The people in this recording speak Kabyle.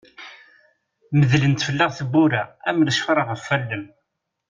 Neddlent fell-aɣ tewwura am lecfar ɣef wallen.